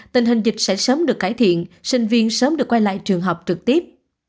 tình hình dịch sẽ sớm được cải thiện sinh viên sớm được quay lại trường học trực tiếp